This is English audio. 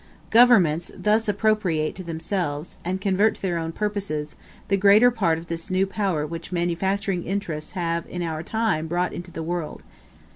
Governments thus appropriate to themselves, and convert to their own purposes, the greater part of this new power which manufacturing interests have in our time brought into the world.